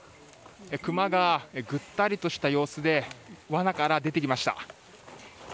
クマがぐったりとした様子が罠から出てきました。